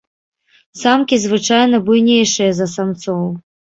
Самкі звычайна буйнейшыя за самцоў.